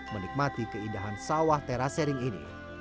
menikmati keindahan sawah terasering ini